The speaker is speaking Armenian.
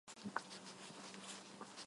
Կաննի կինոփառատոնի մշտական մասնակիցն է։